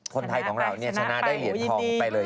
คนไทยของเราชนะได้เหรียญทองไปเลย